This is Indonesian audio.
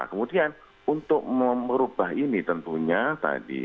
kemudian untuk merubah ini tentunya tadi